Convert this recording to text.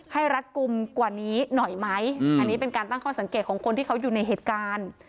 รัดกลุ่มกว่านี้หน่อยไหมอันนี้เป็นการตั้งข้อสังเกตของคนที่เขาอยู่ในเหตุการณ์